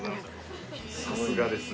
さすがですね。